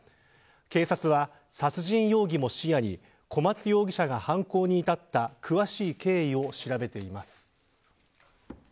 警察は、殺人容疑も視野に小松容疑者が犯行に至った詳しい経緯を調べています。